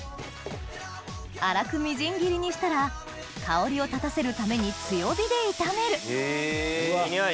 粗くみじん切りにしたら香りを立たせるために強火で炒めるええ匂い！